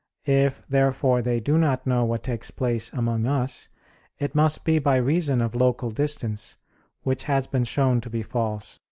If, therefore, they do not know what takes place among us, it must be by reason of local distance; which has been shown to be false (A.